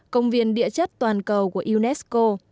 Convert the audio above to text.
công viên địa chất toàn cầu của unesco